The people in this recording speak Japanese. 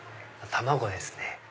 卵ですね。